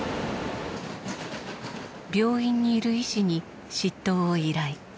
病院にいる医師に執刀を依頼。